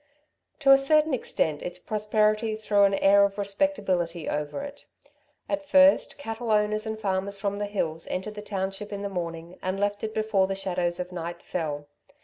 To a certain extent, its prosperity threw an air of respectability over it. At first, cattle owners and farmers from the hills entered the township in the morning and left it before the shadows of night fell.